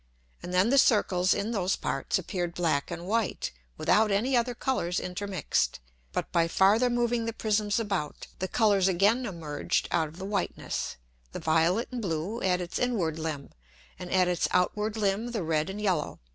And then the Circles in those parts appear'd black and white, without any other Colours intermix'd. But by farther moving the Prisms about, the Colours again emerged out of the whiteness, the violet and blue at its inward Limb, and at its outward Limb the red and yellow.